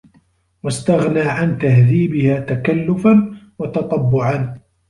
وَاسْتَغْنَى عَنْ تَهْذِيبِهَا تَكَلُّفًا وَتَطَبُّعًا